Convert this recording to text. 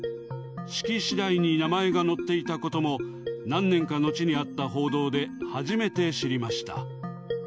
式次第に名前が載っていたことも、何年か後にあった報道で初めて知りました。